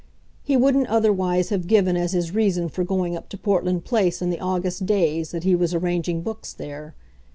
He wouldn't otherwise have given as his reason for going up to Portland Place in the August days that he was arranging books there.